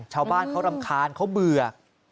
ชาวบ้านเขารำคาญเขาเบื่อ